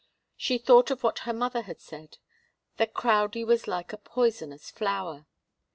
She thought of what her mother had said that Crowdie was like a poisonous flower.